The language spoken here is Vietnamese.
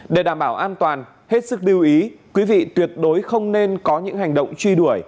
để đảm bảo an toàn hết sức lưu ý quý vị tuyệt đối không nên có những hành động truy đuổi